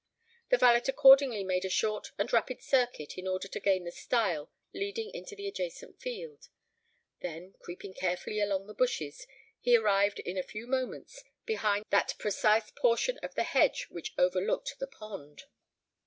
The valet accordingly made a short and rapid circuit in order to gain the stile leading into the adjacent field: then, creeping carefully along the bushes, he arrived in a few moments behind that precise portion of the hedge which overlooked the pond.